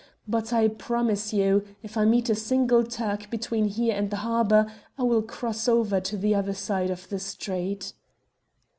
But I promise you, if I meet a single Turk between here and the harbour, I will cross over to the other side of the street."